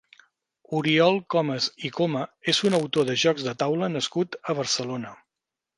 Oriol Comas i Coma és un autor de jocs de taula nascut a Barcelona.